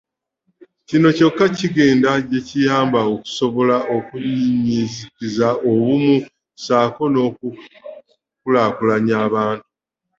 Kino kyokka kye kigenda okuyamba okusobola okunnyikiza obumu ssaako n’okukulaakulanya abantu